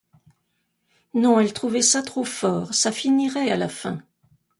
Non, elle trouvait ça trop fort, ça finirait à la fin!